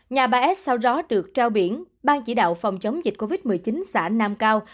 nhà ba s sau đó được trao biển ban chỉ đạo phòng chống dịch covid một mươi chín xã nam cao